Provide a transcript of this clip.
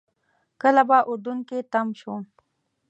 کله به اردن کې تم شو.